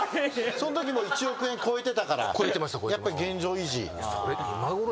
そのときもう１億円超えてたからやっぱり現状維持。